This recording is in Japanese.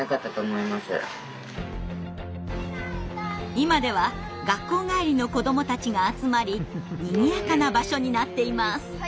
今では学校帰りの子どもたちが集まりにぎやかな場所になっています。